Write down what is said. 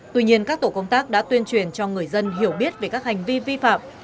tuy nhiên các tổ công tác đã tuyên truyền cho người dân hiểu biết về các hành vi vi phạm